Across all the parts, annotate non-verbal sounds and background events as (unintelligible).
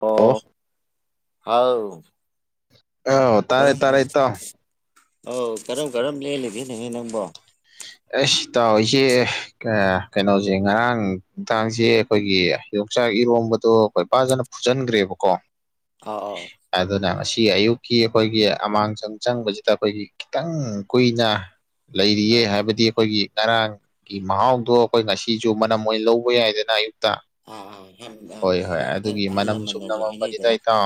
ꯑꯣ ꯍꯥꯎ ꯑꯣ ꯀꯔꯝ ꯀꯔ ꯑꯧ ꯀꯔꯝ ꯀꯔꯝ ꯂꯦꯜꯂꯤꯒꯦ ꯅꯦꯍꯦ ꯅꯪꯕꯣ ꯑꯦꯁ ꯇꯥꯎ ꯑꯩꯁꯦ ꯀꯩꯅꯣꯁꯦ ꯉꯔꯥꯡꯗꯥꯥꯡꯁꯦ ꯑꯩꯈꯣꯏꯒꯤ ꯌꯣꯡꯆꯥꯛ ꯏꯔꯣꯝꯕꯗꯣ ꯑꯩꯈꯣꯏ ꯄꯥꯖꯅ ꯐꯨꯖꯟꯈ꯭ꯔꯦꯕꯀꯣ ꯑꯧ ꯑꯧ ꯑꯗꯨꯅ ꯉꯁꯤ ꯑꯌꯨꯛꯀꯤ ꯑꯩꯈꯣꯏꯒꯤ ꯑꯃꯥꯡꯁꯪ ꯆꯪꯕꯁꯤꯗ ꯑꯩꯈꯣꯏꯒꯤ ꯈꯤꯇꯪ ꯀꯨꯏꯅ ꯂꯩꯔꯤꯌꯦ ꯑꯥꯎ ꯍꯥꯏꯗꯤ ꯑꯩꯈꯣꯏꯒꯤ ꯉꯔꯥꯡꯒꯤ ꯃꯍꯥꯎꯗꯣ ꯑꯩꯈꯣꯏ ꯉꯁꯤꯁꯨ ꯃꯅꯝ ꯑꯣꯏꯅ ꯂꯧꯕ ꯌꯥꯏꯗꯅ ꯑꯌꯨꯛꯇ ꯑꯥ ꯑꯥ ꯍꯣꯏ ꯍꯣꯏ ꯑꯗꯨꯒꯤ ꯑꯍꯜ ꯃꯅꯝ ꯁꯨꯝ ꯂꯃꯟꯅꯁꯨ ꯅꯝꯃꯝꯕꯅꯤꯗ ꯍꯥꯏꯅꯩꯗꯅ ꯏꯇꯥꯎ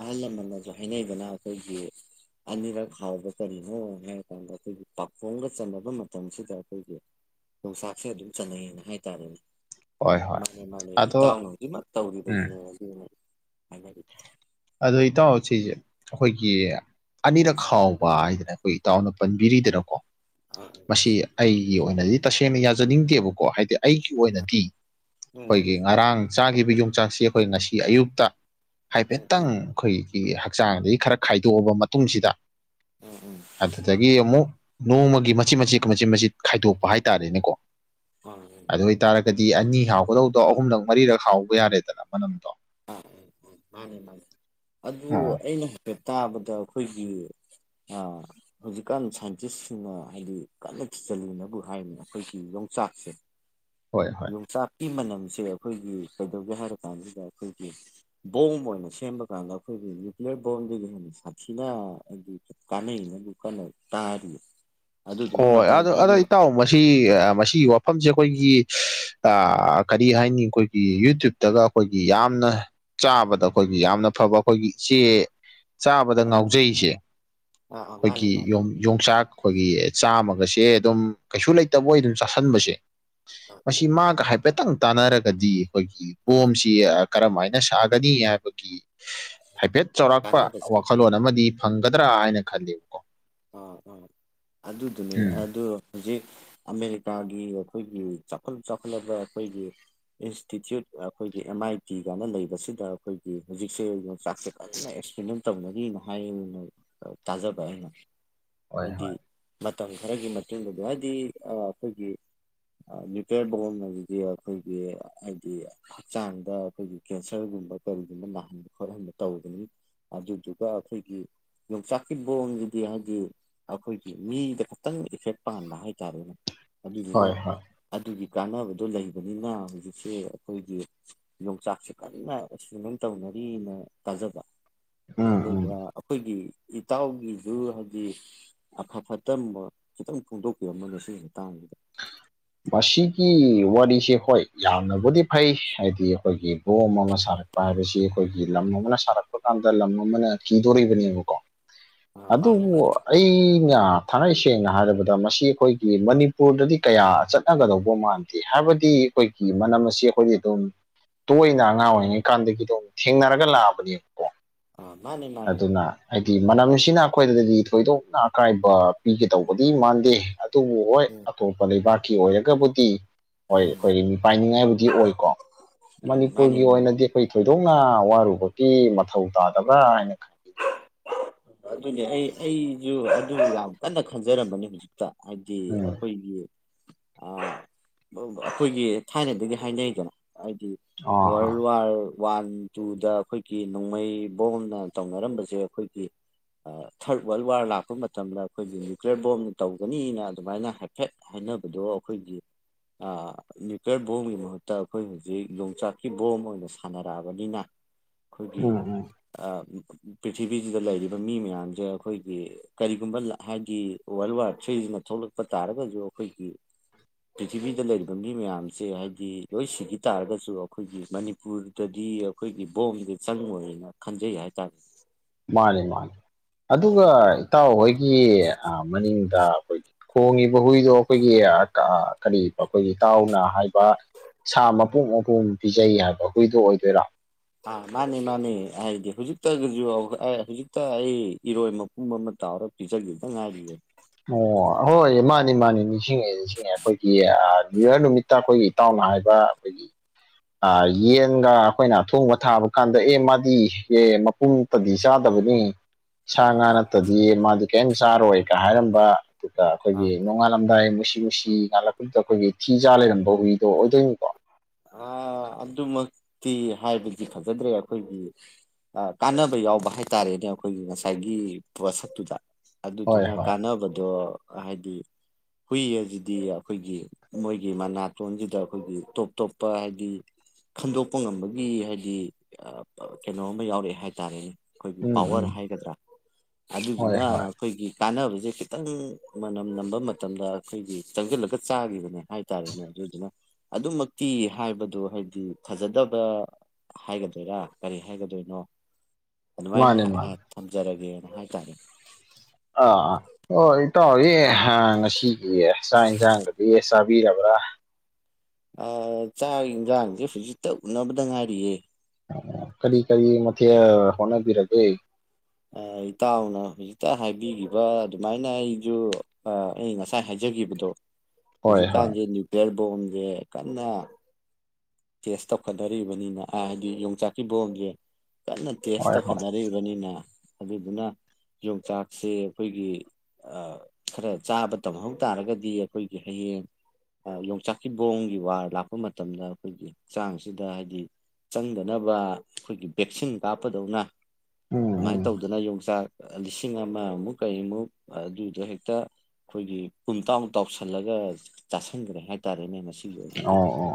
ꯑꯍꯜ ꯂꯃꯟꯅꯁꯨ ꯍꯥꯏꯅꯩꯗꯅ ꯑꯩꯈꯣꯏꯒꯤ ꯑꯅꯤꯔꯛ ꯍꯥꯎꯕ ꯀꯔꯤꯅꯣ ꯍꯥꯏꯔ ꯀꯥꯟꯗ ꯑꯩꯈꯣꯏꯒꯤ ꯄꯥꯛꯈꯣꯡꯒ ꯆꯟꯅꯅꯕ ꯃꯇꯝꯁꯤꯗ ꯑꯩꯈꯣꯏꯒꯤ ꯌꯣꯡꯆꯥꯛꯁꯦ ꯑꯗꯨꯝ ꯆꯠꯅꯩꯌꯦꯅ ꯍꯥꯏꯇꯥꯔꯦꯅꯦ ꯍꯣꯏ ꯍꯣꯏ ꯃꯥꯅꯦ ꯃꯥꯅꯦ ꯑꯗꯣ ꯏꯇꯥꯎꯅ ꯍꯧꯖꯤꯛꯃꯛ ꯎꯝ ꯇꯧꯔꯤꯕꯁꯤꯅꯦ ꯑꯗꯨ ꯍꯥꯏꯅꯔꯤ ꯑꯗꯨꯗ ꯏꯇꯥꯎꯣ ꯁꯤꯖꯦ ꯑꯩꯈꯣꯏꯒꯤ ꯑꯅꯤꯔꯛ ꯈꯥꯎꯕ ꯍꯥꯏꯗꯅ ꯑꯩꯈꯣꯏ ꯏꯇꯥꯎꯅ ꯄꯟꯕꯤꯔꯤꯗꯅꯀꯣ ꯑꯥ ꯃꯁꯤ ꯑꯩꯒꯤ ꯑꯣꯏꯅꯗꯤ ꯇꯁꯦꯡꯅ ꯌꯥꯖꯅꯤꯡꯗꯦꯕꯀꯣ ꯍꯥꯏꯗꯤ ꯑꯩ ꯑꯥ ꯑꯣꯏꯅꯗꯤ ꯎꯝ ꯑꯩꯈꯣꯏꯒꯤ ꯉꯔꯥꯡ ꯆꯥꯈꯤꯕ ꯌꯣꯡꯆꯥꯛꯁꯤ ꯑꯩꯈꯣꯏ ꯉꯁꯤ ꯑꯌꯨꯛꯇ ꯎꯝ ꯎꯝ ꯍꯥꯏꯐꯦꯠꯇꯪ ꯑꯩꯈꯣꯏꯒꯤ ꯍꯛꯆꯥꯡꯗꯒꯤ ꯈꯔ ꯈꯥꯏꯗꯣꯛꯑꯕ ꯃꯇꯨꯡꯁꯤꯗ ꯎꯝ ꯎꯝ ꯑꯗꯨꯗꯒꯤ ꯑꯃꯨꯛ ꯅꯣꯡꯃꯒꯤ ꯃꯆꯤꯠ ꯃꯆꯤꯠ ꯃꯆꯤꯠ ꯃꯆꯤꯠ ꯈꯥꯏꯗꯣꯛꯄ ꯍꯥꯏꯇꯥꯔꯦꯅꯦꯀꯣ (unintelligible) ꯑꯗꯨ ꯑꯣꯏꯇꯥꯔꯒꯗꯤ ꯑꯅꯤ ꯍꯥꯎꯒꯗꯧꯗꯣ ꯑꯍꯨꯝꯂꯛ ꯃꯔꯤꯔꯛ ꯍꯥꯎꯕ ꯌꯥꯔꯦꯗꯅ ꯃꯅꯝꯗꯣ ꯑꯥ ꯃꯥꯅꯤ ꯃꯥꯅꯤ ꯑꯗꯨ ꯑꯥ ꯑꯩꯅ ꯍꯥꯏꯐꯦꯠ ꯇꯥꯕꯗ ꯑꯩꯈꯣꯏꯒꯤ ꯑꯥ ꯍꯧꯖꯤꯛꯀꯥꯟ ꯁꯥꯏꯟꯇꯤꯁꯁꯤꯡꯅ ꯍꯥꯏꯗꯤ ꯀꯟꯅ ꯊꯤꯖꯜꯂꯤꯅꯕꯨ ꯍꯥꯏꯕꯅꯦ ꯑꯩꯈꯣꯏꯒꯤ ꯌꯣꯡꯆꯥꯛꯁꯦ ꯍꯣꯏ ꯍꯣꯏ ꯌꯣꯡꯆꯥꯛꯀꯤ ꯃꯅꯝꯁꯦ ꯑꯩꯈꯣꯏꯒꯤ ꯀꯩꯗꯧꯒꯦ ꯍꯥꯏꯔ ꯀꯥꯟꯁꯤꯗ ꯑꯩꯈꯣꯏꯒꯤ ꯕꯣꯝ ꯑꯣꯏꯅ ꯁꯦꯝꯕ ꯀꯥꯟꯗ ꯑꯩꯈꯣꯏꯒꯤ ꯅ꯭ꯌꯨꯀ꯭ꯂꯤꯌꯔ ꯕꯣꯝꯗꯒꯤ ꯍꯦꯟꯅ ꯁꯥꯊꯤꯅ ꯍꯥꯏꯗꯤ ꯀꯅꯅꯦꯕꯨ ꯀꯥꯟꯅ ꯇꯥꯔꯤ ꯑꯗꯨꯗꯨꯅ ꯑꯣ ꯃꯇꯝ ꯑꯗ ꯈꯔꯒꯤ ꯑꯗ ꯏꯇꯥꯎ ꯃꯁꯤ ꯃꯁꯤꯒꯤ ꯋꯥꯐꯝꯁꯦ ꯑꯩꯈꯣꯏꯒꯤ ꯑ ꯀꯔꯤ ꯍꯥꯏꯅꯤ ꯑꯩꯈꯣꯏꯒꯤ ꯌꯨꯇ꯭ꯨꯕꯇꯒ ꯑꯩꯈꯣꯏꯒꯤ ꯌꯥꯝꯅ ꯆꯥꯕꯗ ꯑꯩꯈꯣꯏꯒꯤ ꯌꯥꯝꯅ ꯐꯕ ꯑꯩꯈꯣꯏꯒꯤ ꯏꯆꯦ ꯆꯥꯕꯗ ꯑꯥ ꯉꯥꯎꯖꯩꯁꯦ ꯑꯥ ꯃꯥꯅꯦ ꯑꯩꯈꯣꯏꯒꯤ ꯃꯥꯅꯦ ꯌꯣꯡꯆꯥꯛ ꯑꯩꯈꯣꯏꯒꯤ ꯆꯥꯝꯃꯒꯁꯦ ꯑꯗꯨꯝ ꯀꯩꯁꯨ ꯂꯩꯇꯕꯣꯏ ꯑꯗꯨꯝ ꯆꯥꯁꯟꯕꯁꯦ ꯑꯥ ꯃꯁꯤ ꯃꯥꯒ ꯍꯥꯏ ꯍꯥꯏꯐꯦꯠꯇꯪ ꯇꯥꯟꯅꯔꯒꯗꯤ ꯑꯩꯈꯣꯏꯒꯤ ꯑꯥ ꯕꯣꯝꯁꯤ ꯀꯔꯝꯍꯥꯏꯅ ꯁꯥꯒꯅꯤ ꯍꯥꯏꯕꯒꯤ ꯍꯥꯏꯐꯦꯠ ꯆꯥꯎꯔꯥꯛꯄ ꯀꯥꯟꯅꯕꯁꯦ ꯋꯥꯈꯜꯂꯣꯟ ꯑꯃꯗꯤ ꯐꯪꯒꯗ꯭ꯔꯥ ꯍꯥꯏꯅ ꯈꯜꯂꯤꯕꯀꯣ ꯑꯣ ꯑꯣ ꯑꯗꯨꯗꯨꯅꯦ ꯎꯝ ꯑꯗꯨ ꯍꯧꯖꯤꯛ ꯑꯃꯦꯔꯤꯀꯥꯒꯤ ꯑꯩꯈꯣꯏꯒꯤ ꯆꯥꯎꯈꯠ ꯆꯥꯎꯈꯠꯂꯕ ꯑꯩꯈꯣꯏꯒꯤ ꯏꯟꯁꯇꯤꯇ꯭ꯌꯨꯠ ꯑꯩꯈꯣꯏꯒꯤ ꯑꯦꯝ ꯑꯥꯏ ꯇꯤ ꯀꯥꯏꯅ ꯂꯩꯕꯁꯤꯗ ꯑꯩꯈꯣꯏꯒꯤ ꯍꯧꯖꯤꯛꯁꯦ ꯆꯥꯛꯁꯦ ꯐꯖꯅ ꯑꯦꯛꯁꯄꯔꯤꯟ ꯇꯧꯅꯒꯤꯅ ꯍꯥꯏꯌꯦꯅ ꯇꯥꯖꯕ ꯑꯩꯅ ꯍꯣꯏ ꯍꯥꯏꯗꯤ ꯍꯣꯏ ꯃꯇꯝ ꯈꯔꯒꯤ ꯃꯇꯨꯡꯗꯗꯤ ꯍꯥꯏꯗꯤ ꯑꯩꯈꯣꯏꯒꯤ ꯂꯤꯇꯔ ꯕꯣꯝ ꯍꯥꯏꯖꯤꯗꯤ ꯑꯩꯈꯣꯏꯒꯤ ꯍꯥꯏꯗꯤ ꯍꯛꯆꯥꯡꯗ ꯑꯩꯈꯣꯏꯒꯤ ꯀꯦꯟꯁꯔꯒꯨꯝꯕ ꯀꯔꯤꯒꯨꯝꯕ ꯅꯥꯍꯟꯕ ꯈꯣꯠꯍꯟꯕ ꯇꯧꯕꯗꯨꯅꯤ ꯑꯗꯨꯒ ꯑꯈꯣꯏꯒꯤ ꯌꯣꯡꯆꯥꯛꯀꯤ ꯕꯣꯝꯖꯤꯗꯤ ꯑꯩꯈꯣꯏꯒꯤ ꯃꯤꯗ ꯈꯛꯇꯪ ꯏꯐꯦꯛ ꯄꯥꯟꯕ ꯍꯥꯏꯇꯥꯔꯦꯅꯦ ꯑꯗꯨꯗꯨꯅ ꯍꯣꯏ ꯍꯣꯏ ꯑꯗꯨꯒꯤ ꯀꯥꯟꯅꯕꯗꯣ ꯂꯩꯕꯅꯤꯅ ꯍꯧꯖꯤꯛꯁꯦ ꯑꯩꯈꯣꯏꯒꯤ ꯌꯣꯡꯆꯥꯛꯁꯦ ꯀꯥꯟꯅ ꯑꯦꯛꯁꯄꯤꯔꯤꯃꯦꯟ ꯇꯧꯅꯔꯤꯅ ꯇꯥꯖꯕ ꯎꯝ ꯎꯝ ꯑꯗꯨꯗ ꯑꯩꯈꯣꯏꯒꯤ ꯏꯇꯥꯎꯒꯤꯁꯨ ꯍꯥꯏꯗꯤ ꯑꯐ ꯐꯠꯇ ꯈꯤꯇꯪ ꯐꯣꯡꯗꯣꯛꯄꯤꯔꯝꯃꯣꯅꯦ ꯁꯤꯒꯤ ꯃꯇꯥꯡꯁꯤꯗ ꯃꯁꯤꯒꯤ ꯋꯥꯔꯤꯁꯦ ꯍꯣꯏ ꯌꯥꯝꯅꯕꯨꯗꯤ ꯐꯩ ꯍꯥꯏꯗꯤ ꯑꯩꯈꯣꯏꯒꯤ ꯕꯣꯝ ꯑꯃ ꯁꯥꯔꯛ ꯄꯥ ꯍꯥꯏꯕꯁꯤ ꯑꯩꯈꯣꯏꯒꯤ ꯂꯝ ꯑꯃꯅ ꯁꯥꯔꯛꯄ ꯀꯥꯟꯗ ꯂꯝ ꯑꯃꯅ ꯀꯤꯗꯣꯔꯤꯕꯅꯦꯕꯀꯣ ꯑ ꯃꯥꯅꯦ ꯑꯗꯨꯕꯨ ꯃꯥꯅꯦ ꯑꯩꯅ ꯊꯥꯡꯉꯩ ꯁꯦꯡꯅ ꯍꯥꯏꯔꯕꯗ ꯃꯁꯤ ꯑꯩꯈꯣꯏꯒꯤ ꯃꯅꯤ ꯄꯨꯔꯗꯗꯤ ꯀꯌꯥ ꯆꯠꯅꯒꯗꯧꯕ ꯃꯥꯟꯗꯦ ꯍꯥꯏꯕꯗꯤ ꯑꯩꯈꯣꯏꯒꯤ ꯃꯅꯝ ꯑꯁꯤ ꯑꯩꯈꯣꯏꯒꯤ ꯑꯗꯨꯝ ꯇꯣꯏꯅ ꯑꯉꯥꯡ ꯑꯣꯏꯔꯤꯉꯩ ꯀꯥꯟꯗꯒꯤ ꯑꯗꯨꯝ ꯊꯦꯡꯅꯔꯒ ꯂꯥꯛꯑꯕꯅꯦꯕꯀꯣ ꯑ ꯃꯥꯅꯦ ꯃꯥ ꯑꯗꯨꯅ ꯍꯥꯏꯗꯤ ꯃꯅꯝꯁꯤꯅ ꯑꯩꯈꯣꯏꯗꯗꯗꯤ ꯊꯣꯏꯗꯣꯛꯅ ꯑꯀꯥꯏꯕ ꯄꯤꯒꯗꯧꯕꯗꯤ ꯃꯥꯟꯗꯦ ꯑꯗꯨꯕꯨ ꯍꯣꯏ ꯎꯝ ꯑꯇꯣꯞꯄ ꯂꯩꯕꯥꯛꯀꯤ ꯑꯣꯏꯔꯒꯕꯨꯗꯤ ꯍꯣꯏ ꯎꯝ ꯑꯩꯈꯣꯏꯒꯤ ꯃꯤꯄꯥꯏꯅꯤꯡꯉꯥꯏꯕꯨꯗꯤ ꯑꯣꯏꯀꯣ ꯎꯝ ꯃꯥꯅꯤ ꯃꯅꯤꯄꯨꯔꯒꯤ ꯃꯥꯅꯤ ꯑꯣꯏꯅꯗꯤ ꯑꯩꯈꯣꯏ ꯊꯣꯏꯗꯣꯛꯅ ꯋꯥꯔꯨꯕꯒꯤ ꯃꯊꯧ ꯇꯥꯗꯕ꯭ꯔꯥ ꯍꯥꯏꯅ ꯈꯟ ꯑꯗꯨꯅꯦ ꯑꯩ ꯑꯩꯁꯨ ꯑꯗꯨ ꯌꯥꯝ ꯀꯟꯅ ꯈꯟꯖꯔꯝꯕꯅꯤ ꯍꯧꯖꯤꯛ ꯍꯥꯏꯗꯤ ꯎꯝ ꯑꯩꯈꯣꯏꯒꯤ ꯑꯩꯈꯣꯏꯒꯤ ꯊꯥꯏꯅꯗꯒꯤ ꯍꯥꯏꯅꯩꯗꯅ ꯍꯥꯏꯗꯤ ꯑꯥ ꯑꯥ ꯋꯔꯥꯜ ꯋꯥꯔ ꯋꯥꯟ ꯇꯨꯗ ꯑꯩꯈꯣꯏꯒꯤ ꯅꯣꯡꯃꯩꯕꯣꯝꯅ ꯇꯧꯅꯔꯝꯕꯖꯦ ꯑꯩꯈꯣꯏꯒꯤ ꯊꯔꯠ ꯋꯥꯔꯜ ꯋꯥꯔ ꯂꯥꯛꯄ ꯃꯇꯝꯗ ꯑꯩꯈꯣꯏꯒꯤ ꯅ꯭ꯌꯨꯀ꯭ꯌꯔ ꯕꯣꯝꯅ ꯇꯧꯒꯅꯤꯅ ꯑꯗꯨꯃꯥꯏꯅ ꯍꯥꯏꯐꯦꯠ ꯍꯥꯏꯅꯕꯗꯣ ꯑꯩꯈꯣꯏꯒꯤ ꯅ꯭ꯌꯨꯀ꯭ꯂꯤꯌꯔ ꯕꯣꯝꯒꯤ ꯃꯍꯨꯠꯇ ꯑꯩꯈꯣꯏ ꯍꯧꯖꯤꯛ ꯌꯣꯡꯆꯥꯛꯀꯤ ꯕꯣꯝ ꯑꯣꯏꯅ ꯁꯥꯟꯅꯔꯛꯑꯕꯅꯤꯅ ꯑꯩꯈꯣꯏꯒꯤ ꯎꯝ ꯎꯝ ꯄ꯭ꯔꯤꯊꯤꯕꯤꯁꯤꯗ ꯂꯩꯔꯤꯕ ꯃꯤ ꯃꯌꯥꯝꯖꯦ ꯑꯩꯈꯣꯏꯒꯤ ꯀꯔꯤꯒꯨꯝꯕ ꯍꯥꯏꯗꯤ ꯋꯥꯔꯜ ꯋꯥꯔ ꯊ꯭ꯔꯤꯖꯤꯅ ꯊꯣꯛꯂꯛꯄ ꯇꯥꯔꯒꯖꯨ ꯑꯩꯈꯣꯏꯒꯤ ꯄ꯭ꯔꯤꯊꯤꯕꯤꯗ ꯂꯩꯔꯤꯕ ꯃꯤ ꯃꯌꯥꯝꯁꯦ ꯍꯥꯏꯗꯤ ꯂꯣꯏ ꯁꯤꯒꯤ ꯇꯥꯔꯒꯁꯨ ꯑꯩꯈꯣꯏꯒꯤ ꯃꯅꯤ ꯄꯨꯔꯗꯗꯤ ꯑꯩꯈꯣꯏꯒꯤ ꯕꯣꯝꯁꯦ ꯆꯪꯉꯣꯏꯅ ꯈꯟꯖꯩ ꯍꯥꯏꯇꯥꯔꯦ ꯃꯥꯅꯦ ꯃꯥꯅꯦ ꯑꯗꯨꯒ ꯑꯗꯨꯗꯨꯅ ꯏꯇꯥꯎꯍꯣꯏꯒꯤ ꯃꯅꯤꯡꯗ ꯑꯩꯈꯣꯏꯒꯤ ꯈꯣꯡꯉꯤꯕ ꯍꯨꯏꯗꯣ ꯑꯩꯈꯣꯏꯒꯤ ꯀꯔꯤ ꯑꯩꯈꯣꯏꯒꯤ ꯇꯥꯎꯅ ꯍꯥꯏꯕ ꯁꯥ ꯃꯄꯨꯡ ꯃꯄꯨꯡ ꯄꯤꯖꯩ ꯍꯥꯏꯕ ꯍꯨꯏꯗꯣ ꯑꯣꯏꯗꯣꯏꯔꯥ ꯑꯥ ꯃꯥꯅꯦ ꯃꯥꯅꯦ ꯍꯥꯏꯗꯤ ꯍꯧꯖꯤꯛꯇꯒꯖꯨ ꯍꯧꯖꯤꯛꯇ ꯑꯩ ꯏꯔꯣꯏ ꯃꯄꯨꯝꯕ ꯑꯃ ꯇꯥꯎꯔ ꯄꯤꯖꯒꯤꯕꯗ ꯉꯥꯏꯔꯤꯌꯦ ꯑꯣ ꯍꯣꯏ ꯃꯥꯅꯤ ꯃꯥꯅꯤ ꯅꯤꯡꯁꯤꯡꯉꯦ ꯅꯤꯡꯁꯤꯡꯉꯦ ꯑꯩꯈꯣꯏꯒꯤ ꯅ꯭ꯌꯨꯔ ꯅꯨꯃꯤꯠ ꯏꯇꯥꯈꯣꯏꯒꯤ ꯏꯇꯥꯎꯅ ꯍꯥꯏꯕ ꯑꯩꯈꯣꯏꯒꯤ ꯌꯦꯟꯒ ꯑꯩꯈꯣꯏꯅ ꯑꯊꯣꯡꯕ ꯊꯥꯕ ꯀꯥꯟꯗ ꯑꯦ ꯃꯥꯗꯤ ꯃꯄꯨꯝ ꯇꯗꯤ ꯆꯥꯗꯕꯅꯤ ꯁꯥ ꯎꯝ ꯉꯥ ꯅꯠꯇꯗꯤ ꯃꯥꯗꯤ ꯀꯔꯤꯝ ꯆꯥꯔꯣꯏꯒ ꯍꯥꯏꯔꯝꯕ ꯑꯗꯨꯒ ꯑꯩꯈꯣꯏꯒꯤ ꯎꯝ ꯅꯣꯡꯉꯥꯜꯂꯝꯗꯥꯏ ꯃꯨꯁꯤ ꯃꯨꯁꯤ ꯉꯥꯜꯂꯛꯄꯗꯨꯗ ꯑꯩꯈꯣꯏꯒꯤ ꯊꯤ ꯆꯥ ꯂꯩꯔꯝꯕ ꯍꯨꯏꯗꯣ ꯑꯣꯏꯗꯣꯏꯅꯤꯀꯣ ꯑ ꯑꯗꯨꯃꯛꯇꯤ ꯍꯥꯏꯕꯗꯤ ꯐꯖꯗ꯭ꯔꯦ ꯑꯩꯈꯣꯏꯒꯤ ꯀꯥꯟꯅꯕ ꯌꯥꯎꯕ ꯍꯥꯏꯇꯥꯔꯦꯅꯦ ꯑꯩꯈꯣꯏꯒꯤ ꯉꯁꯥꯏꯒꯤ ꯄꯣꯠꯁꯛꯇꯨꯗ ꯍꯣꯏ ꯑꯗꯨꯗꯨꯅ ꯍꯣꯏ ꯀꯥꯟꯅꯕꯗꯣ ꯍꯥꯏꯗꯤ ꯍꯨꯏ ꯑꯖꯤꯗꯤ ꯑꯩꯈꯣꯏꯒꯤ ꯃꯣꯏꯒꯤ ꯃꯅꯥꯇꯣꯟꯁꯤꯗ ꯑꯩꯈꯣꯏꯒꯤ ꯇꯣꯞ ꯇꯣꯞꯄ ꯍꯥꯏꯗꯤ ꯈꯟꯗꯣꯛꯄ ꯉꯝꯕꯒꯤ ꯍꯥꯏꯗꯤ ꯑꯥ ꯑ ꯀꯩꯅꯣꯝꯒ ꯌꯥꯎꯔꯤ ꯍꯥꯏꯇꯥꯔꯦꯅꯦ ꯑꯩꯈꯣꯏꯒꯤ ꯎꯝ ꯄꯥꯋꯔ ꯎꯝ ꯍꯥꯏꯒꯗ꯭ꯔꯥ ꯍꯣꯏ ꯑꯗꯨꯗꯨꯅ ꯍꯣꯏ ꯑꯩꯈꯣꯏꯒꯤ ꯀꯥꯟꯅꯕꯁꯦ ꯈꯤꯇꯪ ꯃꯅꯝ ꯅꯝꯕ ꯃꯇꯝꯗ ꯑꯩꯈꯣꯏꯒꯤ ꯆꯪꯁꯤꯜꯂꯒ ꯆꯥꯒꯤꯕꯅꯦ ꯍꯥꯏ ꯇꯥꯔꯦꯅꯦ ꯑꯗꯨꯗꯨꯅ ꯑꯗꯨꯃꯛꯇꯤ ꯍꯥꯏꯕꯗꯣ ꯍꯥꯏꯕꯗꯤ ꯐꯖꯗꯕ ꯍꯥꯏꯒꯗꯣꯏꯔꯥ ꯀꯔꯤ ꯍꯥꯏꯒꯗꯣꯏꯅꯣ ꯑꯗꯨꯃꯥꯏꯅ ꯃꯥꯅꯦ ꯍꯥ ꯍꯥ ꯃꯥꯅꯦ ꯊꯝꯖꯔꯒꯦꯅ ꯍꯥꯏꯇꯥꯔꯦ ꯑꯥ ꯑꯣ ꯏꯇꯥꯎꯗꯤ ꯉꯁꯤꯒꯤ ꯆꯥꯛ ꯏꯟꯁꯥꯡꯒꯥꯗꯤ ꯆꯥꯕꯤꯔꯕ꯭ꯔꯥ ꯑꯧ ꯆꯥꯛ ꯏꯟꯖꯥꯡꯁꯦ ꯍꯨꯖꯤꯠꯇ ꯎꯅꯕꯗ ꯉꯥꯏꯔꯤꯌꯦ ꯀꯔꯤ ꯀꯔꯤ ꯃꯊꯦꯜ ꯍꯣꯠꯅꯕꯤꯔꯒꯦ ꯑ ꯏꯇꯥꯎꯅ ꯍꯧꯖꯤꯛꯇ ꯍꯥꯏꯕꯤꯒꯤꯕ ꯑꯗꯨꯃꯥꯏꯅ ꯑꯩꯖꯨ ꯑꯥ ꯑꯩ ꯉꯁꯥꯏ ꯍꯥꯏꯖꯒꯤꯕꯗꯣ ꯍꯣꯏ ꯍꯣꯏ ꯍꯧꯖꯤꯛꯀꯥꯟꯖꯦ ꯅ꯭ꯌꯨꯀ꯭ꯌꯔ ꯕꯣꯝꯖꯦ ꯀꯟꯅ ꯇꯦꯁ ꯇꯧꯈꯠꯅꯔꯤꯕꯅꯤꯅ ꯑꯥ ꯍꯥꯏꯗꯤ ꯌꯣꯡꯆꯥꯛꯀꯤ ꯕꯣꯝꯖꯦ ꯀꯟꯅ ꯇꯦꯁ ꯍꯣꯏ ꯍꯣꯏ ꯇꯧꯈꯠꯅꯔꯤ ꯕꯅꯤꯅ ꯑꯗꯨꯗꯨꯅ ꯌꯣꯡꯆꯥꯛꯁꯦ ꯑꯩꯈꯣꯏꯒꯤ ꯑ ꯈꯔ ꯆꯥꯕ ꯇꯝꯍꯧ ꯇꯥꯔꯒꯗꯤ ꯑꯩꯈꯣꯏꯒꯤ ꯍꯌꯦꯡ ꯑ ꯌꯣꯡꯆꯥꯛꯀꯤ ꯕꯣꯡꯒꯤ ꯋꯥꯔ ꯂꯥꯛꯄ ꯃꯇꯝꯗ ꯑꯩꯈꯣꯏꯒꯤ ꯆꯥꯡꯁꯤꯗ ꯍꯥꯏꯗꯤ ꯆꯪꯗꯅꯕ ꯑꯩꯈꯣꯏꯒꯤ ꯚꯦꯛꯁꯤꯟ ꯀꯥꯞꯄꯗꯧꯅ ꯎꯝ ꯑꯗꯨꯃꯥꯏꯟ ꯎꯝ ꯇꯧꯗꯅ ꯌꯣꯡꯆꯥꯛ ꯂꯤꯁꯤꯡ ꯑꯃꯃꯨꯛ ꯀꯔꯤꯃꯨꯛ ꯑꯗꯨꯗꯣ ꯍꯦꯛꯇ ꯑꯩꯈꯣꯏꯒꯤ ꯄꯨꯨꯡ ꯇꯥꯃꯨꯛ ꯇꯥꯎꯁꯜꯂꯒ ꯆꯥꯁꯟꯕꯗꯣ ꯍꯥꯏꯇꯥꯔꯦꯅꯦ ꯃꯁꯤꯒꯤ ꯑꯣꯏꯅꯗꯤ ꯑꯣ ꯑꯣ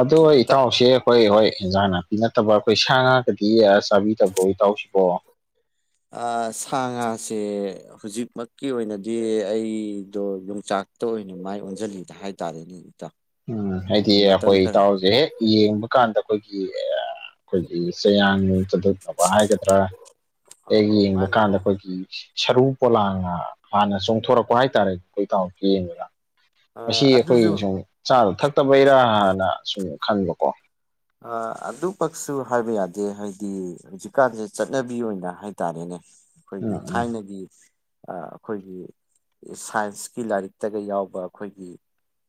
ꯑꯗꯣ ꯏꯇꯥꯎ ꯏꯇꯥꯎꯁꯦ ꯍꯣꯏ ꯍꯣꯏ ꯏꯟꯖꯥꯡ ꯅꯥꯄꯤ ꯅꯠꯇꯕ ꯑꯩꯈꯣꯏ ꯁꯥ ꯉꯥꯒꯗꯤ ꯆꯥꯕꯤꯗꯕ꯭ꯔꯣ ꯏꯇꯥꯎꯁꯤꯕꯣ ꯑ ꯁꯥ ꯉꯥꯁꯦ ꯍꯧꯖꯤꯛꯃꯛꯀꯤ ꯑꯣꯏꯅꯗꯤ ꯑꯩꯗꯣ ꯌꯣꯡꯆꯥꯛ ꯇꯣꯏꯅ ꯃꯥꯏ ꯑꯣꯟꯖꯟꯅꯤꯡꯗꯦ ꯍꯥꯏꯇꯥꯔꯦꯅꯦ ꯏꯇꯥ ꯎꯝ ꯍꯥꯏꯗꯤ ꯑꯩꯈꯣꯏ ꯏꯇꯥꯎꯖꯦ ꯍꯦꯛ ꯌꯦꯡꯕ ꯀꯥꯟꯗ ꯑꯩꯈꯣꯏꯒꯤ ꯑꯩꯈꯣꯏꯒꯤ ꯆꯌꯥꯡ ꯆꯗꯠꯅꯕ ꯍꯥꯏꯒꯗ꯭ꯔꯥ ꯑꯧ ꯍꯦꯛ ꯑꯧ ꯌꯦꯡꯕ ꯃꯥꯅꯤ ꯀꯥꯟꯗ ꯃꯥꯅꯤ ꯑꯩꯈꯣꯏꯒꯤ ꯁꯔꯨ ꯄꯣꯂꯥꯡꯅ ꯍꯥꯟꯅ ꯆꯣꯡꯊꯣꯔꯛꯄ ꯍꯥꯏꯇꯥꯔꯦ ꯑꯩꯈꯣꯏ ꯇꯥꯎꯟ ꯌꯦꯡꯕꯗ ꯃꯁꯤ ꯑꯩꯈꯣꯏ ꯑꯗꯨꯁꯨ ꯁꯨꯝ ꯆꯥꯕ ꯊꯛꯇꯕꯩꯔꯥꯅ ꯁꯨꯝ ꯈꯟꯕꯀꯣ ꯑꯥ ꯑꯗꯨꯃꯛꯁꯨ ꯍꯥꯏꯕ ꯌꯥꯗꯦ ꯍꯥꯏꯗꯤ ꯍꯧꯖꯤꯛꯀꯥꯟꯁꯦ ꯆꯠꯅꯕꯤ ꯑꯣꯏꯅ ꯍꯥꯏꯇꯥꯔꯦꯅꯦ ꯎꯝ ꯑꯩꯈꯣꯏꯒꯤ ꯎꯝ ꯊꯥꯏꯅꯒꯤ ꯑꯥ ꯑꯈꯣꯏꯒꯤ ꯁꯥꯏꯟꯁꯀꯤ ꯂꯥꯏꯔꯤꯛꯇꯒ ꯌꯥꯎꯕ ꯑꯈꯣꯏꯒꯤ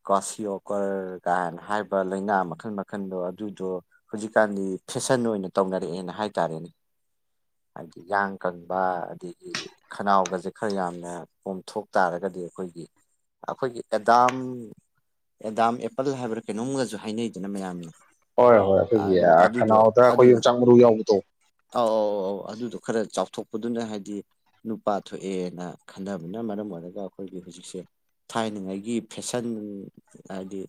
ꯀꯥꯁꯤꯌꯣꯀꯔꯒꯥꯏꯅ ꯍꯥꯏꯕ ꯂꯩꯅꯥ ꯃꯈꯜ ꯃꯈꯟꯗꯣ ꯑꯗꯨꯗꯣ ꯍꯧꯖꯤꯛꯀꯥꯟꯗꯤ ꯐꯦꯁꯟ ꯑꯣꯏꯅ ꯇꯧꯅꯔꯛꯑꯦꯅ ꯍꯥꯏꯇꯥꯔꯦꯅꯦ ꯍꯥꯏꯗꯤ ꯌꯥꯡ ꯀꯪꯕ ꯑꯗꯒꯤ ꯈꯅꯥꯎꯒꯁꯦ ꯈꯔ ꯌꯥꯝꯅ ꯀꯣꯝꯊꯣꯛ ꯇꯥꯔꯒꯗꯤ ꯑꯩꯈꯣꯏꯒꯤ ꯑꯈꯣꯏꯒꯤ ꯗꯗꯥꯝ ꯗꯗꯥꯝ ꯑꯦꯄꯜ ꯍꯥꯏꯕ꯭ꯔꯥ ꯀꯩꯅꯣꯝꯒꯁꯨ ꯍꯥꯏꯅꯩꯗꯅ ꯃꯌꯥꯝꯅ ꯍꯣꯏ ꯍꯣꯏ ꯑꯩꯈꯣꯏꯒꯤ ꯑꯗꯨꯗꯣ ꯈꯅꯥꯎꯗ ꯑꯗꯨ ꯑꯩꯈꯣꯏ ꯌꯣꯡꯆꯥꯛ ꯃꯔꯨ ꯌꯥꯎꯕꯗꯣ ꯑꯧ ꯑꯧ ꯑꯧ ꯑꯗꯨꯗꯣ ꯈꯔ ꯆꯥꯎꯊꯣꯛꯄꯗꯨꯅ ꯍꯥꯏꯗꯤ ꯅꯨꯄꯥ ꯊꯣꯛꯑꯦꯅ ꯈꯟꯅꯕꯅ ꯃꯔꯝ ꯑꯣꯏꯔꯒ ꯑꯈꯣꯏꯒꯤ ꯍꯨꯖꯤꯛꯁꯦ ꯊꯥꯏꯅꯉꯩꯒꯤ ꯐꯦꯁꯟ ꯍꯥꯏꯗꯤ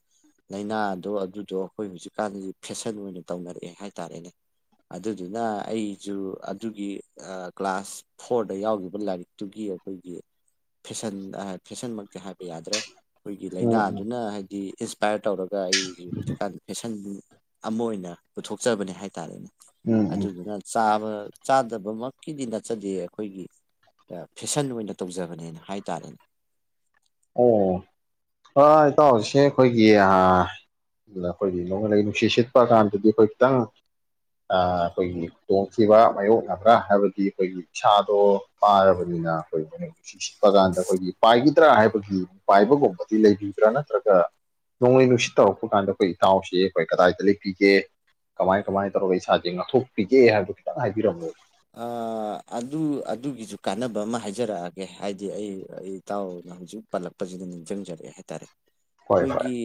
ꯂꯥꯏꯅꯥꯗꯣ ꯑꯗꯨꯗꯣ ꯑꯈꯣꯏ ꯍꯨꯖꯤꯛꯀꯥꯟꯒꯤ ꯐꯦꯁꯟ ꯑꯣꯏꯅ ꯇꯧꯅꯔꯛꯑꯦ ꯍꯥꯏꯇꯥꯔꯦꯅꯦ ꯑꯗꯨꯗꯨꯅ ꯑꯩꯖꯨ ꯑꯗꯨꯒꯤ ꯑꯥ ꯀ꯭ꯂꯥꯁ ꯐꯣꯔꯗ ꯌꯥꯎꯒꯤꯕ ꯂꯥꯏꯔꯤꯛ ꯇꯨꯒꯤ ꯑꯗꯨꯒꯤ ꯐꯦꯁꯟ ꯑꯥ ꯐꯦꯁꯟꯃꯛꯇꯤ ꯍꯥꯏꯕ ꯌꯥꯗ꯭ꯔꯦ ꯑꯩꯈꯣꯏꯒꯤ ꯎꯝ ꯎꯝ ꯂꯥꯏꯅꯥꯗꯨꯅ ꯍꯥꯏꯗꯤ ꯏꯟꯁ꯭ꯋꯄꯌꯔ ꯇꯧꯔꯒ ꯑꯩꯖꯨ ꯍꯨꯖꯤꯛꯀꯥꯟ ꯐꯦꯁꯟ ꯑꯃ ꯑꯣꯏꯅ ꯄꯨꯊꯣꯛꯆꯕꯅꯦ ꯍꯥꯏꯇꯥꯔꯦꯅꯦ ꯎꯝ ꯎꯝ ꯑꯗꯨꯗꯨꯅ ꯆꯥꯕ ꯆꯥꯗꯕꯃꯛꯀꯤꯗꯤ ꯅꯠꯆꯗꯦ ꯑꯩꯈꯣꯏꯒꯤ ꯐꯦꯁꯟ ꯑꯣꯏꯅ ꯇꯧꯖꯕꯅꯦꯅ ꯍꯥꯏꯇꯥꯔꯦꯅꯦ꯫ ꯑꯣ ꯑ ꯏꯇꯥꯎꯁꯦ ꯑꯩꯈꯣꯏꯒꯤ ꯑ ꯑꯗꯨꯅ ꯑꯩꯈꯣꯏꯒꯤ ꯅꯣꯡꯂꯩ ꯅꯨꯡꯁꯤꯠ ꯁꯤꯠꯄ ꯀꯥꯟꯗꯗꯤ ꯑꯩꯈꯣꯏ ꯈꯤꯇꯪ ꯑꯥ ꯑꯩꯈꯣꯏꯒꯤ ꯈꯨꯗꯣꯡꯊꯤꯕ ꯃꯥꯏꯌꯣꯛꯅꯕ꯭ꯔꯥ ꯍꯥꯏꯕꯗꯤ ꯑꯩꯈꯣꯏꯒꯤꯥꯗꯣ ꯏꯁꯥꯗꯣ ꯄꯥꯔꯕꯅꯤꯅ ꯑꯩꯈꯣꯏ ꯅꯨꯡꯁꯤꯠꯄ ꯀꯥꯟꯗ ꯑꯩꯈꯣꯏꯒꯤ ꯄꯥꯏꯈꯤꯗ꯭ꯔꯥ ꯍꯥꯏꯕ ꯑꯩꯈꯣꯏꯒꯤ ꯄꯥꯏꯕꯒꯨꯝꯕꯗꯤ ꯂꯩꯕꯤꯕ꯭ꯔꯥ ꯅꯠꯇ꯭ꯔꯒ꯫ ꯅꯣꯡꯂꯩ ꯅꯨꯡꯁꯤꯠ ꯇꯧꯔꯛꯄ ꯀꯥꯟꯗ ꯑꯩꯈꯣꯏ ꯏꯇꯥꯎꯁꯤꯦ ꯑꯩꯈꯣꯏ ꯀꯗꯥꯏꯗ ꯂꯩꯕꯤꯒꯦ꯫ ꯀꯃꯥꯏ ꯀꯃꯥꯏꯅ ꯇꯧꯔꯒ ꯏꯁꯥꯁꯦ ꯉꯥꯛꯊꯣꯛꯄꯤꯒꯦ ꯍꯥꯏꯕꯗꯨ ꯈꯤꯇꯪ ꯍꯥꯏꯕꯤꯔꯝꯃꯣ꯫ ꯑ ꯑꯗꯨ ꯑꯗꯨꯒꯤꯁꯨ ꯀꯥꯟꯅꯕ ꯑꯃ ꯍꯥꯏꯖꯔꯛꯑꯒꯦ ꯍꯥꯏꯗꯤ ꯑꯩ ꯑꯩ ꯏꯇꯥꯎꯅ ꯍꯧꯖꯤꯛ ꯄꯜꯂꯛꯄꯁꯤꯗ ꯅꯤꯡꯁꯤꯡꯖꯔꯛꯑꯦ ꯍꯥꯏꯇꯥꯔꯦ꯫ ꯍꯣꯏ ꯍꯣꯏ ꯑꯩꯈꯣꯏꯒꯤ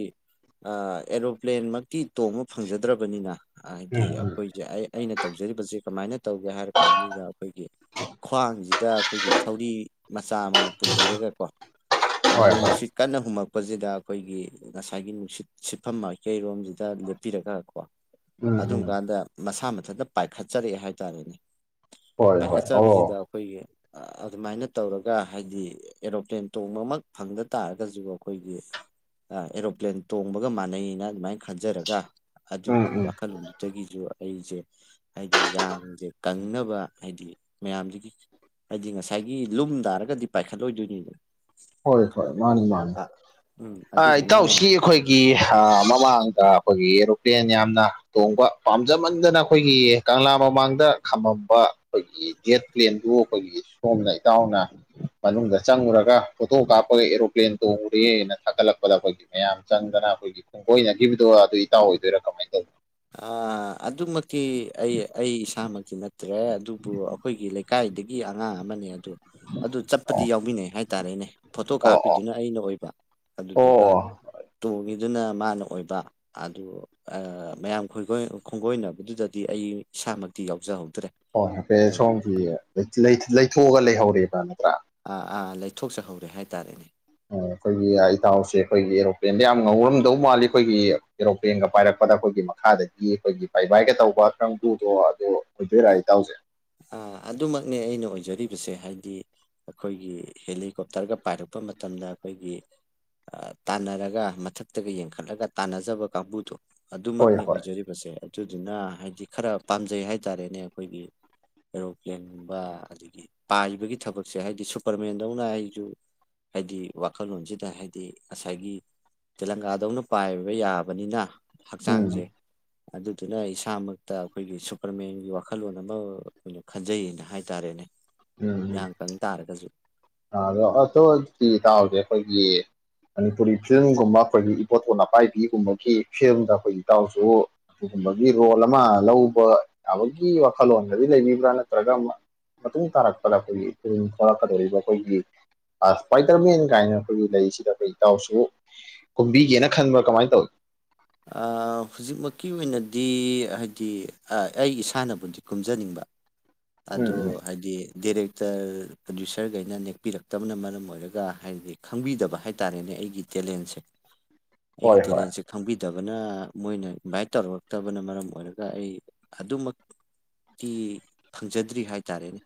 ꯑꯦꯔꯣꯄ꯭ꯂꯦꯟꯃꯛꯇꯤ ꯇꯣꯝꯕ ꯐꯪꯖꯗ꯭ꯔꯕꯅꯤꯅ꯫ ꯍꯥꯏꯗꯤ ꯎꯝ ꯎꯝ ꯑꯩꯈꯣꯏꯁꯦ ꯑꯩ ꯑꯩꯅ ꯇꯧꯖꯔꯤꯕꯁꯦ ꯀꯃꯥꯏꯅ ꯇꯧꯒꯦ ꯍꯥꯏꯔ ꯀꯥꯟꯁꯤꯗ ꯑꯩꯈꯣꯏꯒꯤ꯫ ꯈ꯭ꯋꯥꯡꯁꯤꯗ ꯑꯩꯈꯣꯏꯒꯤ ꯊꯧꯔꯤ ꯃꯆꯥ ꯑꯃꯅ ꯄꯨꯟꯕꯤꯔꯒꯀꯣ ꯍꯣꯏ ꯅꯣꯡꯂꯩ ꯍꯣꯏ ꯅꯨꯡꯁꯤꯠ ꯀꯟꯅ ꯍꯨꯝꯃꯛꯄꯁꯤꯗ ꯑꯩꯈꯣꯏꯒꯤ ꯉꯁꯥꯏꯒꯤ ꯅꯨꯡꯁꯤꯠ ꯁꯤꯠꯐꯝ ꯃꯥꯏꯀꯩꯔꯣꯝꯁꯤꯗ ꯂꯦꯞꯄꯤꯔꯒ ꯀꯣ ꯎꯝ ꯑꯗꯨꯝ ꯎꯝ ꯀꯥꯟꯗ ꯃꯁꯥ ꯃꯊꯟꯇ ꯄꯥꯏꯈꯠꯆꯔꯛꯑꯦ ꯍꯥꯏꯇꯥꯔꯦꯅꯦ꯫ ꯍꯣꯏ ꯍꯣꯏ ꯑꯣ ꯄꯥꯏꯈꯠꯆꯕꯁꯤꯗ ꯑꯩꯈꯣꯏꯒꯤ ꯑꯗꯨꯃꯥꯏꯅ ꯇꯧꯔꯒ ꯍꯥꯏꯗꯤ꯫ ꯑꯦꯔꯣꯄ꯭ꯂꯦꯟ ꯇꯣꯡꯕꯃꯥꯛ ꯐꯪꯗ ꯇꯥꯔꯒꯁꯨ ꯑꯩꯈꯣꯏꯒꯤ꯫ ꯑ ꯑꯦꯔꯣꯄ꯭ꯂꯦꯟ ꯇꯣꯡꯕꯒ ꯃꯥꯟꯅꯩꯅ ꯑꯗꯨꯃꯥꯏꯅ ꯈꯟꯖꯔꯒ ꯎꯝ ꯑꯗꯨꯒꯤ ꯎꯝ ꯋꯥꯈꯜꯂꯣꯟꯗꯨꯗꯒꯤꯁꯨ ꯑꯩꯁꯦ ꯍꯥꯏꯗꯤ ꯌꯥꯡꯁꯦ ꯀꯪꯅꯕ ꯍꯥꯏꯗꯤ ꯃꯌꯥꯝꯁꯤꯒꯤ ꯍꯥꯏꯗꯤ ꯉꯁꯥꯏꯒꯤ ꯂꯨꯝ ꯇꯥꯔꯒꯗꯤ ꯄꯥꯏꯈꯠꯂꯣꯏꯗꯣꯏꯅꯤꯗ ꯍꯣꯏ ꯍꯣꯏ ꯃꯥꯅꯤ ꯃꯥꯅꯤ ꯎꯝ ꯑꯗꯨꯗꯨꯅ ꯏꯇꯥꯎꯁꯤ ꯑꯩꯈꯣꯏ ꯒꯤ ꯃꯃꯥꯡꯗ ꯑꯩꯈꯣꯏꯒꯤ ꯑꯦꯔꯣꯄ꯭ꯂꯦꯟ ꯌꯥꯝꯅ ꯇꯣꯡꯕ ꯄꯥꯝꯖꯃꯟꯗꯅ ꯑꯩꯈꯣꯏꯒꯤ꯫ ꯀꯪꯂꯥ ꯃꯃꯥꯡꯗ ꯈꯝꯃꯝꯕ ꯑꯩꯈꯣꯏꯒꯤ ꯖꯦꯠ ꯄ꯭ꯂꯦꯟꯗꯨ ꯑꯩꯈꯣꯏꯒꯤ ꯁꯣꯝꯅ ꯏꯇꯥꯎꯅ ꯃꯅꯨꯡꯗ ꯆꯪꯉꯨꯔꯒ ꯐꯣꯇꯣ ꯀꯥꯞꯄꯒ ꯑꯦꯔꯣꯄ꯭ꯂꯦꯟ ꯇꯣꯡ ꯎꯔꯦꯅ ꯊꯥꯒꯠꯂꯛꯄꯗ ꯑꯩꯈꯣꯏꯒꯤ ꯃꯌꯥꯝ ꯆꯪꯗꯅ ꯑꯩꯈꯣꯏꯒꯤ ꯨ ꯈꯣꯡꯒꯣꯏꯅꯈꯤꯕꯗꯣ ꯑꯗꯨ ꯏꯇꯥꯎ ꯑꯣꯏꯗꯣꯏꯔꯥ ꯀꯃꯥꯏ ꯇꯧꯅꯣ꯫ ꯑꯥ ꯑꯗꯨꯃꯥꯛꯇꯤ ꯑꯩ ꯑꯩ ꯏꯁꯥꯃꯛꯇꯤ ꯅꯠꯇ꯭ꯔꯦ ꯑꯗꯨꯕꯨ ꯑꯩꯈꯣꯏꯒꯤ ꯂꯩꯀꯥꯏꯗꯒꯤ ꯑꯉꯥꯡ ꯑꯃꯅꯦ ꯑꯗꯣ ꯑꯗꯨ ꯆꯠꯄꯗꯤ ꯇꯧꯕꯅꯣ ꯌꯥꯎꯃꯤꯟꯅꯩ ꯍꯥꯏꯇꯥꯔꯦꯅꯦ꯫ ꯐꯣꯇꯣ ꯑꯣ ꯑꯣ ꯀꯥꯞꯄꯤꯗꯨꯅ ꯑꯩꯅ ꯑꯣꯏꯕ ꯑꯣ ꯑꯗꯨꯗꯨꯒ ꯑꯣ ꯇꯣꯡꯉꯤꯗꯨꯅ ꯃꯥꯅ ꯑꯣꯏꯕ ꯑꯗꯨ ꯑ ꯃꯌꯥꯝ ꯈꯣꯏ ꯈꯣꯏ ꯈꯣꯡꯒꯣꯏꯅꯕꯗꯨꯗꯗꯤ ꯑꯩ ꯏꯁꯥꯃꯛꯇꯤ ꯌꯥꯎꯖꯍꯧꯗ꯭ꯔꯦ꯫ ꯍꯣꯏ ꯅꯐꯦ ꯑꯗꯣ ꯁꯣꯝꯒꯤ ꯂꯩꯊꯣꯛꯑꯒ ꯂꯩꯍꯧꯔꯦꯕ ꯅꯠꯇ꯭ꯔꯥ ꯑꯥ ꯑꯥ ꯂꯩꯊꯣꯛꯆꯍꯧꯔꯦ ꯍꯥꯏꯇꯥꯔꯦꯅꯦ꯫ ꯑꯩꯈꯣꯏꯒꯤ ꯏꯇꯥꯎꯁꯦ ꯑꯩꯈꯣꯏꯒꯤ ꯑꯦꯔꯣꯄ꯭ꯂꯦꯟꯗ ꯌꯥꯝ ꯉꯧꯔꯝꯗꯧ ꯃꯥꯜꯂꯤ ꯑꯩꯈꯣꯏꯒꯤ ꯑꯦꯔꯣꯄ꯭ꯂꯦꯟꯒ ꯄꯥꯏꯔꯛꯄꯗ ꯑꯩꯈꯣꯏꯒꯤ ꯃꯈꯥꯗꯒꯤ ꯑꯩꯈꯣꯏꯒꯤ ꯄꯕꯥꯥꯏꯕꯥꯏꯒ ꯇꯧꯕ ꯀꯥꯡꯕꯨꯗꯣ ꯑꯗꯨ ꯑꯣꯏꯗꯣꯏꯔꯥ ꯏꯇꯥꯎꯁꯦ꯫ ꯑ ꯑꯗꯨꯃꯛꯅꯦ ꯑꯩꯅ ꯑꯣꯏꯖꯔꯤꯕꯁꯦ ꯍꯥꯏꯗꯤ꯫ ꯑꯩꯈꯣꯏꯒꯤ ꯍꯦꯂꯤꯀꯣꯞꯇꯔꯒ ꯄꯥꯏꯔꯛꯄ ꯃꯇꯝꯗ ꯑꯩꯈꯣꯏꯒꯤ꯫ ꯇꯥꯟꯅꯔꯒ ꯃꯊꯛꯇꯒ ꯌꯦꯡꯈꯠꯂꯒ ꯇꯥꯟꯅꯖꯕ ꯀꯥꯡꯕꯨꯗꯣ꯫ ꯍꯣꯏ ꯑꯗꯨꯃꯛꯅꯤ ꯍꯣꯏ ꯑꯣꯏꯖꯔꯤꯕꯁꯦ ꯑꯗꯨꯗꯨꯅ ꯍꯥꯏꯗꯤ ꯈꯔ ꯄꯥꯝꯖꯩ ꯍꯥꯏꯇꯥꯔꯦꯅꯦ ꯑꯩꯈꯣꯏꯒꯤ ꯑꯦꯔꯣꯄ꯭ꯂꯦꯟꯒꯨꯝꯕ ꯑꯗꯒꯤ ꯄꯥꯕꯒꯤ ꯊꯕꯛꯁꯦ ꯍꯥꯏꯕꯗꯤ ꯁꯨꯄꯔꯃꯦꯟꯗꯧꯅ ꯑꯩꯁꯨ ꯍꯥꯏꯗꯤ ꯋꯥꯈꯜꯂꯣꯟꯁꯤꯗ ꯍꯥꯏꯗꯤ ꯉꯁꯥꯏꯒꯤ꯫ ꯇꯦꯂꯪꯒꯥꯗꯧꯅ ꯄꯥꯏꯕ ꯌꯥꯕꯅꯤꯅ꯫ ꯎꯝ ꯍꯛꯆꯥꯡꯁꯦ ꯑꯗꯨꯗꯨꯅ ꯏꯁꯥꯃꯛꯇ ꯑꯩꯈꯣꯏꯒꯤ ꯁꯨꯄꯔꯃꯦꯟꯒꯤ ꯋꯥꯈꯜꯂꯣꯟ ꯑꯃ ꯑꯩꯈꯣꯏꯩꯅ ꯈꯟꯖꯩꯌꯦꯅ ꯍꯥꯏꯇꯥꯔꯦꯅꯦ ꯎꯝ ꯎꯝ ꯏꯤꯌꯥꯡ ꯀꯪ ꯇꯥꯔꯒꯁꯨ꯫ ꯑꯗꯣ ꯑꯇꯣ ꯇꯥꯁꯦ ꯑꯩꯈꯣꯏꯒꯤ꯫ ꯃꯅꯤꯄꯨꯔꯤ ꯐꯤꯂꯝꯒꯨꯝꯕ ꯑꯩꯈꯣꯏꯒꯤ ꯏꯕꯣꯇ‌ꯣꯟ ꯑꯄꯥꯏꯕꯤꯒꯨꯝꯕꯒꯤ ꯐꯤꯂꯝꯗ ꯑꯩꯈꯣꯏꯒꯤ ꯏꯇꯥꯎꯁꯨ ꯑꯗꯨꯒꯨꯝꯕꯒꯤ ꯔꯣꯜ ꯑꯃ ꯂꯧꯕ ꯌꯥꯕꯒꯤ ꯋꯥꯈꯜꯂꯣꯟꯒꯗꯤ ꯂꯩꯕꯤꯕ꯭ꯔꯥ ꯅꯠꯇ꯭ꯔꯒ ꯑꯃ ꯃꯇꯨꯡ ꯇꯥꯔꯛꯄꯗ ꯑꯩꯈꯣꯏꯒꯤ ꯐꯤꯂꯝ ꯊꯣꯔꯛꯀꯗꯧꯔꯤꯕ ꯑꯩꯈꯣꯏꯒꯤ ꯑ‌ ꯏꯁꯄꯥꯏꯗ꯭ꯔꯃꯦꯟ ꯀꯥꯏꯅ ꯑꯩꯈꯣꯏꯒꯤ ꯂꯩꯔꯤꯁꯤꯗ ꯑꯩꯈꯣꯏ ꯏꯇꯥꯎꯁꯨ ꯀꯨꯝꯕꯤꯒꯦꯅ ꯈꯟꯕ꯭ꯔꯥ ꯀꯃꯥꯏ ꯇꯧꯏ ꯑꯥ‌ ꯍꯧꯖꯤꯛꯃꯛꯀꯤ ꯑꯣꯏꯅꯗꯤ ꯍꯥꯏꯗꯤ ꯑ ꯑꯩ ꯏꯁꯥꯅꯕꯨꯗꯤ ꯀꯨꯝꯖꯅꯤꯡꯕ ꯎꯝ ꯑꯗꯨ ꯎꯝ ꯍꯥꯏꯗꯤ ꯗꯦꯔꯦꯛ ꯇ꯭ꯔ ꯄ꯭ꯔꯗ꯭ꯌꯨꯁ꯭ꯔꯒꯩꯅ ꯅꯦꯛꯄꯤꯔꯛꯇꯕꯅ ꯃꯔꯝ ꯑꯣꯏꯔꯒ ꯍꯥꯏꯗꯤ ꯈꯪꯕꯤꯗꯕ ꯍꯥꯏꯇꯥꯔꯦꯅꯦ ꯑꯩꯒꯤ ꯇꯦꯂꯦꯟꯁꯦ ꯑꯩꯒꯤ ꯍꯣꯏ ꯍꯣꯏ ꯇꯦꯂꯦꯟꯁꯦ ꯈꯪꯕꯤ ꯇꯕꯅ ꯃꯣꯏꯅ ꯏꯟꯚꯥꯏꯠ ꯇꯧꯔꯛꯇꯕꯅ ꯃꯔꯝ ꯑꯣꯏꯔꯒ ꯑꯩ ꯑꯗꯨꯃꯛ ꯇꯤ ꯐꯪꯖꯗ꯭ꯔꯤ ꯍꯥꯏꯇꯥꯔꯦꯅꯦ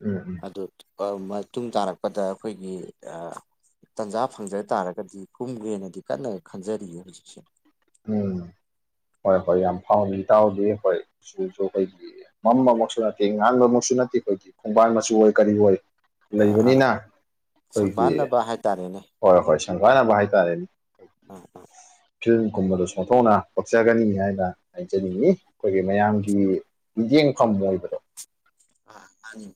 ꯎꯝ ꯎꯝ ꯑꯗꯨ ꯑ‌ ꯃꯇꯨꯡ ꯇꯥꯔꯛꯄꯗ ꯑꯩꯈꯣꯏꯒꯤ ꯑꯥ ꯇꯟꯖꯥ ꯐꯪꯖ ꯇꯥꯔꯒꯗꯤ ꯍꯨꯝꯒ‌ꯦꯅꯗꯤ ꯀꯟꯅ ꯈꯟꯖꯔꯤꯌꯦ ꯍꯧꯖꯤꯛꯁꯦ ꯎꯝ ꯍꯣꯏ ꯍꯣꯏ ꯌꯥꯝ ꯐꯥꯎꯗꯤ ꯏꯇꯥꯎꯗꯤ ꯍꯣꯏ ꯏ꯭ꯀꯤꯜꯁꯨ ꯀꯩꯒꯤ ꯃꯝꯕꯃꯛꯁꯨ ꯅꯠꯇꯦ ꯉꯥꯟꯕꯃꯛꯁꯨ ꯅꯠꯇꯦ ꯑꯩꯈꯣꯏꯗꯤ ꯈꯣꯡꯕꯥꯟ ꯃꯆꯨ ꯑꯣꯏ ꯀꯔꯤ ꯑꯣꯏ ꯑꯥ ꯑꯥ ꯂꯩꯕꯅꯤꯅ ꯑꯩꯈꯣꯏꯒꯤ ꯁꯪꯕꯥꯟꯅꯕ ꯍꯥꯏꯇꯥꯔꯦꯅꯦ ꯍꯣꯏ ꯍꯣꯏ ꯁꯪꯕꯥꯟꯅꯕ ꯍꯥꯏꯇꯥꯔꯦꯅꯦ ꯑ ꯑ ꯐꯤꯂꯝ ꯀꯨꯝꯕꯗꯁꯨ ꯁꯣꯟꯊꯣꯛꯅ ꯄꯛꯆꯒꯅꯤ ꯍꯥꯏꯅ ꯍꯥꯏꯖꯅꯤꯡꯉꯤ ꯑꯩꯈꯣꯏꯒꯤ ꯃꯌꯥꯝꯒꯤ ꯃꯤꯠꯌꯦꯡꯈꯝ ꯑꯣꯏꯕꯗ‌ꯣ ꯑꯥ ꯃꯥꯅꯤ ꯃꯥ